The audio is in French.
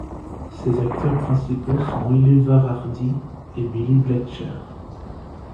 Ses acteurs principaux sont Oliver Hardy et Billy Bletcher.